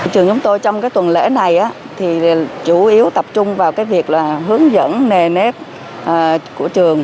trường chúng tôi trong cái tuần lễ này thì chủ yếu tập trung vào cái việc là hướng dẫn nề nếp của trường